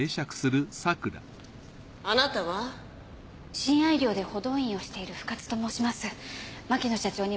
親愛寮で補導員をしている深津と申します。